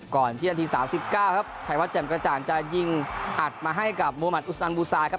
ก่อนที่นาที๓๙ครับชายวัดแจ่มกระจ่างจะยิงอัดมาให้กับมุมัติอุสนันบูซาครับ